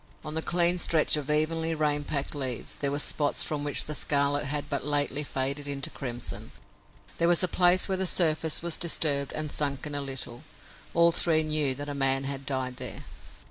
On the clean stretch of evenly rain packed leaves there were spots from which the scarlet had but lately faded into crimson. There was a place where the surface was disturbed and sunken a little. All three knew that a man had died there.